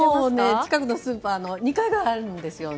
近くのスーパーの２階にあるんですよね。